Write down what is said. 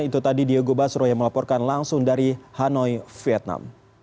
itu tadi diego basro yang melaporkan langsung dari hanoi vietnam